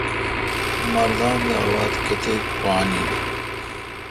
مردان دا واتھ کیتیک پان این۔